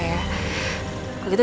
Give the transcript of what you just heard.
ya kita pergi lagi